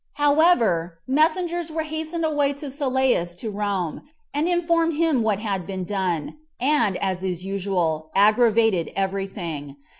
3. However, messengers were hasted away to Sylleus to Rome, and informed him what had been done, and, as is usual, aggravated every thing.